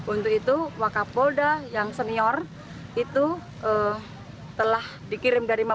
untuk itu wakapolda yang senior itu telah dikirim dari mahasiswa